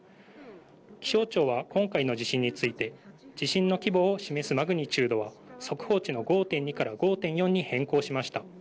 気象庁は今回の地震について地震の規模を示すマグニチュードは速報値の５．２から５．４に変更しました。